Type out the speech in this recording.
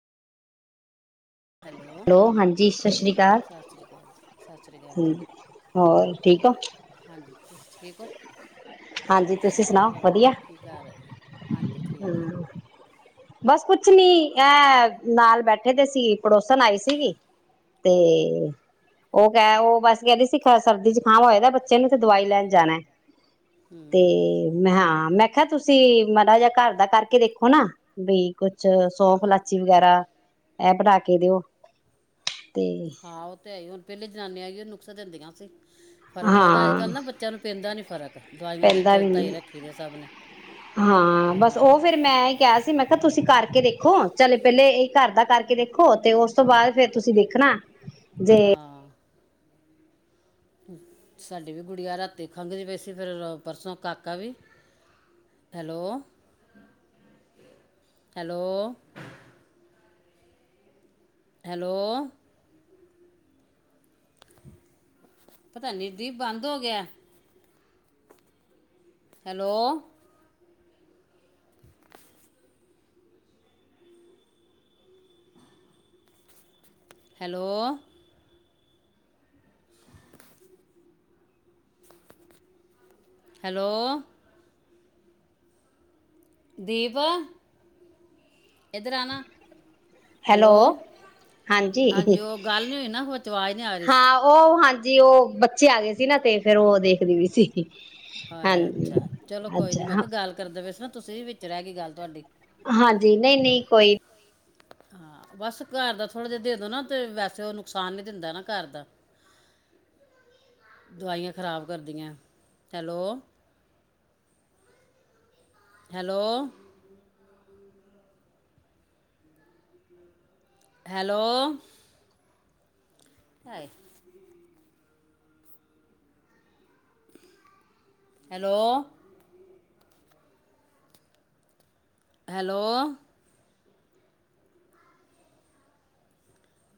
Hello ਹਾਂਜੀ ਸਤਿ ਸ਼੍ਰੀ ਅਕਾਲ ਸਤਿ ਸ਼੍ਰੀ ਅਕਾਲ ਜੀ ਸਤਿ ਸ਼੍ਰੀ ਅਕਾਲ ਜੀ ਠੀਕ ਹੋਰ ਹੋ ਹਾਂਜੀ ਠੀਕ ਹੋ ਹਾਂਜੀ ਤੁਸੀਂ ਸੁਣਾਓ ਹੋਰ ਵਧੀਆ ਕੀ ਕਰ ਰਹੇ ਹੋ ਹਾਂਜੀ ਠੀਕ ਏ। ਹਾਂ ਬਸ ਕੁੱਛ ਨੀ ਇਹ ਨਾਲ ਬੈਠੇ ਦੇ ਸੀ। ਪੜੋਸਨ ਆਈ ਸੀਗੀ ਤੇ ਉਹ ਕਹਿ ਉਹ ਬਸ ਕਹਿੰਦੀ ਸੀ ਸਰਦੀ ਜੁਖਾਮ ਹੋਏ ਦੇ ਬੱਚੇ ਨੂੰ ਤੇ ਦਵਾਈ ਲੈਣ ਜਾਣਾ। ਤੇ ਹੂੰ ਮੈਂ ਹਾਂ ਮੈਂ ਤੁਸੀਂ ਮਾੜਾ ਜਿਹਾ ਘਰ ਦਾ ਕਰਕੇ ਦੇਖੋ ਨਾ ਬਈ ਕੁਛ ਸੌਫ ਲਾਚੀ ਵਗੈਰਾ ਇਹ ਬਣਾ ਕੇ ਕੇ ਦਿਓ ਤੇ ਹਾਂ ਉਹ ਤੇ ਹੈ ਈ ਹੁਣ ਪਹਿਲੇ ਜਨਾਨੀਆਂ ਆਈਓ ਨੁਖਸਾ ਦਿੰਦੀਆਂ ਸੀ। ਫਰਕ ਪੈਂਦਾ ਅੱਜ ਹਾਂ ਕੱਲ੍ਹ ਨਾ ਬੱਚਿਆਂ ਨੂੰ ਪੈਂਦਾ ਨਹੀਂ ਫਰਕ ਦਵਾਈਆਂ ਤੇ ਪੈਂਦਾ ਵੀ ਦਿੱਤਾ ਹੀ ਨੀ ਰੱਖੀ ਦੇ ਸਭ ਨੇ ਹਾਂ ਬਸ ਉਹ ਫਿਰ ਮੈਂ ਹੀ ਕਿਹਾ ਸੀ, ਮੈਂ ਕਿਹਾ ਤੁਸੀਂ ਕਰ ਕਰਕੇ ਦੇਖੋ ਚੱਲ ਪਹਿਲੇ ਇਹ ਘਰ ਦਾ ਕਰਕੇ ਦੇਖੋ, ਤੇ ਉਸ ਤੋਂ ਬਾਅਦ ਫੇਰ ਤੁਸੀਂ ਦੇਖਣਾ ਜੇ ਹਾਂ ਸਾਡੀ ਵੀ ਗੁੜੀਆਂ ਰਾਤੀ ਖੰਘਦੀ ਪਈ ਸੀ ਫਿਰ ਪਰਸੋਂ ਕਾਕਾ ਵੀ ਹੈਲੋ, ਹੈਲੋ ਹੈਲੋ ਪਤਾ ਨੀ ਦੀ ਬੰਦ ਹੋ ਗਿਆ। ਹੈਲੋ ਹੈਲੋ ਹੈਲੋ ਦੀਪ ਇੱਧਰ ਆਣਾ ਹੈਲੋ ਹਾਂਜੀ ਉਹ ਗੱਲ ਨਹੀਂ ਹੋਈ ਨਾ ਉਹ ਚ ਆਵਾਜ਼ ਨਹੀਂ ਆ ਰਹੀ ਸੀ। ਜੀ ਉਹ ਬੱਚੇ ਆ ਗਏ ਸੀ, ਨਾ ਤੇ ਫੇਰ ਉਹ ਦੇਖਦੀ ਪਈ ਸੀ। ਆਇਆ ਹਾਂਜੀ ਅੱਛਾ ਚਲੋ ਕੋਈ ਨੀ ਮੈਂ ਅੱਛਾ ਕਿਹਾ ਗੱਲ ਕਰਦੇ ਪਏ ਸੀ, ਨਾ ਤੁਸੀਂ ਵੀ ਵਿਚ ਰਹਿਗੀ ਗੱਲ ਤੁਹਾਡੀ ਹਾਂਜੀ ਨਹੀਂ ਨਹੀਂ ਕੋਈ ਹਾਂ ਬਸ ਘਰ ਦਾ ਥੋੜ੍ਹਾ ਜਿਹਾ ਦੇ ਦਿਉ ਨਾ ਤੇ ਵੈਸੇ ਉਹ ਨੁਕਸਾਨ ਨੀ ਦਿੰਦਾ ਨਾ ਘਰ ਦਾ ਦਵਾਈਆਂ ਖਰਾਬ ਕਰਦੀਆਂ। Hello, hello. Hello. Hi. Hello. Hello.